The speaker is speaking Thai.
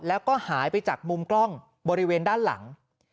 แล้วก็หายไปจากมุมกล้องบริเวณด้านหลัง